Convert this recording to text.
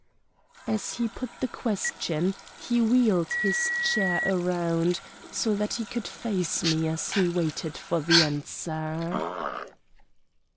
As he put the question he wheeled his chair round so that he could face me as he waited for the answer.